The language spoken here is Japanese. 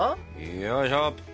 よいしょ。